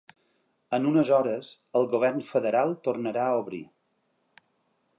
En unes hores, el govern federal tornarà a obrir.